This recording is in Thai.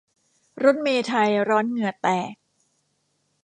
รถเมล์ไทยร้อนเหงื่อแตก